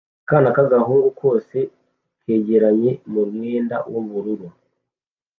Akana k'agahungu kose kegeranye mu mwenda w'ubururu